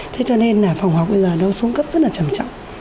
thế cho nên là phòng học bây giờ nó xuống cấp rất là trầm trọng